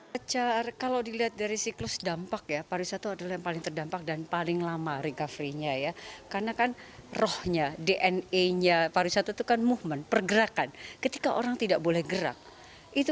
bahkan kepertanian juga sampai seperti itu